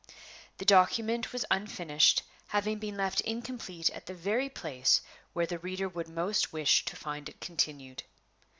The document was unfinished, having been left incomplete at the very place where the reader would most wish to find it continued.